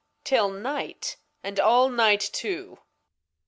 'TiU Night, and aU Night too.